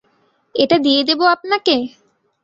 এটা দিয়ে দেব আপনাকে?